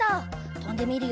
とんでみるよ。